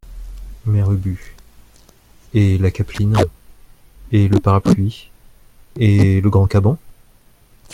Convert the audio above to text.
Mère Ubu Et la capeline ? et le parapluie ? et le grand caban ?